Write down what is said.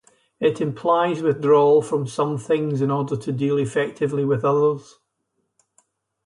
It implies withdrawal from some things in order to deal effectively with others.